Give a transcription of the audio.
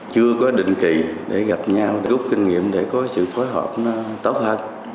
chưa có định kỳ để gặp nhau rút kinh nghiệm để có sự phối hợp nó tốt hơn